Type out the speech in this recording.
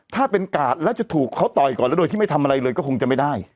ถ้าเป็นกาดแล้วจะถูกเขาต่อยก่อนแล้วโดยที่ไม่ทำอะไรเลยก็คงจะไม่ได้